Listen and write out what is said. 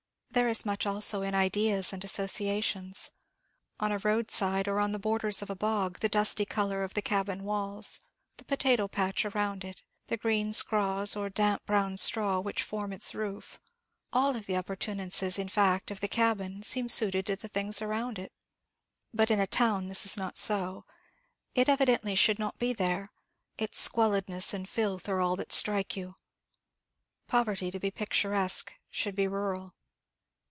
There is much also in ideas and associations. On a road side, or on the borders of a bog, the dusty colour of the cabin walls, the potato patch around it, the green scraughs or damp brown straw which form its roof, all the appurtenances, in fact, of the cabin, seem suited to the things around it. But in a town this is not so. It evidently should not be there its squalidness and filth are all that strike you. Poverty, to be picturesque, should be rural.